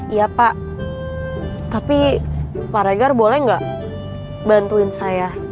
iya pak tapi pak regar boleh nggak bantuin saya